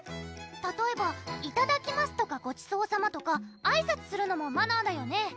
たとえばいただきますとかごちそうさまとかあいさつするのもマナーだよね？